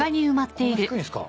こんな低いんすか？